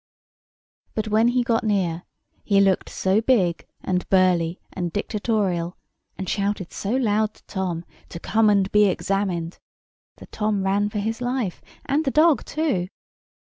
But when he got near, he looked so big and burly and dictatorial, and shouted so loud to Tom, to come and be examined, that Tom ran for his life, and the dog too.